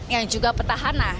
yang juga petahana